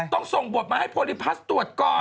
ต้องส่งบทมาให้โพลิพัสตรวจก่อน